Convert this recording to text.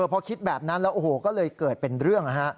พอคิดแบบนั้นแล้วโอ้โหก็เลยเกิดเป็นเรื่อง